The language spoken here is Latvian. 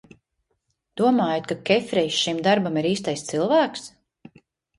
Domājat, ka Kefrijs šim darbam ir īstais cilvēks?